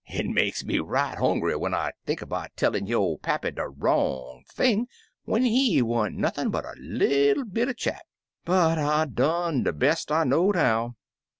It makes me right hongry when I think 'bout tellin' yo' pappy de wrong thing when he wa'n't nothin' but a little bit er chap. But I done de best I know'd how."